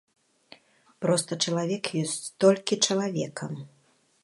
Проста чалавек ёсць толькі чалавекам.